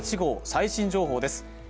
最新情報です。